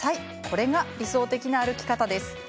これが理想的な歩き方です。